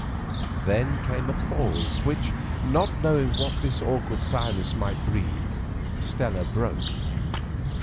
Then came a pause, which, not knowing what this awkward silence might breed, Stella broke.